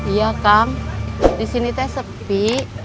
iya kam disini teh sepi